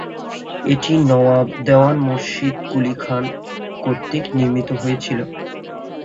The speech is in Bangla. এটি নওয়াব দেওয়ান মুর্শিদ কুলি খান কর্তৃক নির্মিত হয়েছিল।